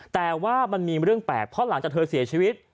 แต่ว่ามันมีเรื่องแปลกเพราะหลังจากเธอเสียชีวิต